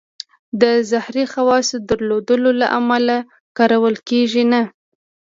د زهري خواصو درلودلو له امله کارول کېږي نه.